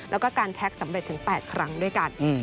แล้วก็การแท็กสำเร็จถึง๘ครั้งด้วยกัน